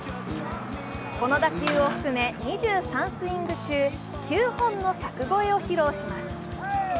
この打球を含め２３スイング中９本の柵越えを披露します。